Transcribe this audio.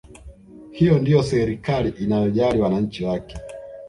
Hiyo ndiyo serikali inayojali wananchi wake